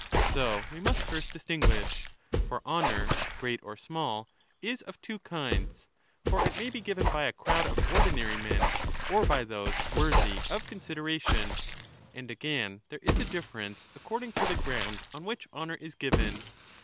So we must first distinguish. For honpur, great or small, is of two kinds ; for it may be given by a crowd of ordinarj'^ men or by those worthy of consideration ; and, again, there is a difference according to the ground on which honour is given.